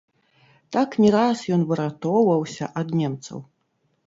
Так не раз ён выратоўваўся ад немцаў.